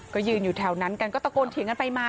ก็ยืนอยู่แถวนั้นกันก็ตะโกนเถียงกันไปมา